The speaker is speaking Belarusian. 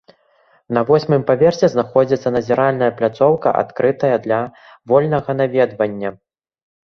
На восьмым паверсе знаходзіцца назіральная пляцоўка, адкрытая для вольнага наведвання.